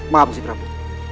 maaf gusti prabu